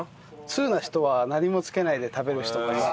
通な人は何もつけないで食べる人もいますけど。